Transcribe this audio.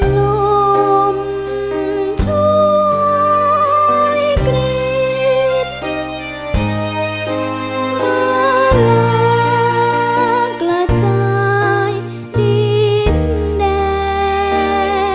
ลมช่วยกฤทธิ์มารักระจายดินแดด